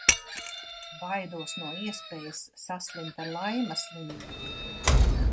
Baidos no iespējas saslimt ar Laima slimību.